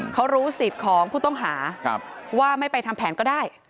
เขารู้สิทธิ์ของผู้ต้องหาว่าไม่ไปทำแผนก็ได้